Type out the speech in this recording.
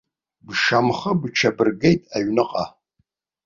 Бшьамхы бҽабыргеит аҩныҟа.